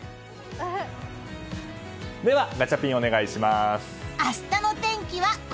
ではガチャピンお願いします。